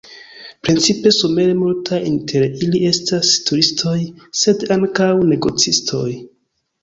Precipe somere multaj inter ili estas turistoj, sed ankaŭ negocistoj.